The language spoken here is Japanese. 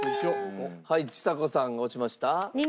はいちさ子さん押しました。